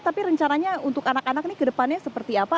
jadi caranya untuk anak anak nih kedepannya seperti apa